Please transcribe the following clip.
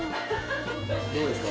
どうですか？